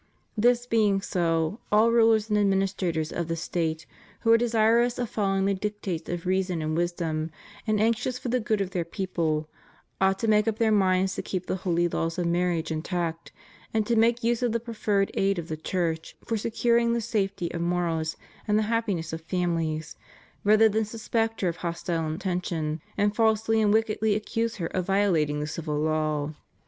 This being so, aU rulers and administrators of the State who are desirous of following the dictates of reason and wisdom, and anxious for the good of their people, ought to make up their minds to keep the holy laws of marriage intact, and to make use of the proffered aid of the Church for securing the safety of morals and the happiness of famihes, rather than suspect her of hostile intention, and falsely and wickedly accuse her of violating the civil law.